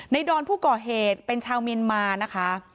ดอนผู้ก่อเหตุเป็นชาวเมียนมานะคะ